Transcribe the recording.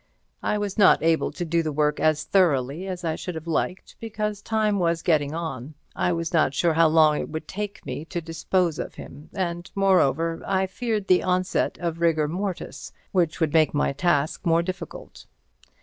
I was not able to do the work as thoroughly as I should have liked, because time was getting on. I was not sure how long it would take me to dispose of him, and, moreover, I feared the onset of rigor mortis, which would make my task more difficult.